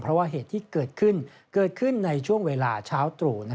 เพราะว่าเหตุที่เกิดขึ้นเกิดขึ้นในช่วงเวลาเช้าตรู่